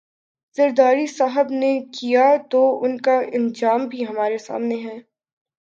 زرداری صاحب نے کیا تو ان کا انجام ہمارے سامنے ہے۔